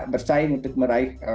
bersaing untuk meraih